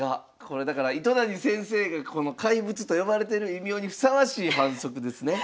これだから糸谷先生が怪物と呼ばれてる異名にふさわしい反則ですね。